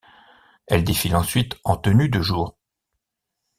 Elle défilent ensuite en tenue de jour.